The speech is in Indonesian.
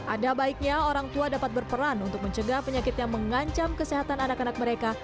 ada baiknya orang tua dapat berperan untuk mencegah penyakit yang mengancam kesehatan anak anak mereka